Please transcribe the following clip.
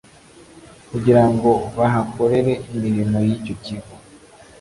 kugira ngo bahakorere imirimo y icyo kigo